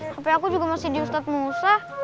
sampai aku juga masih di ustadz musa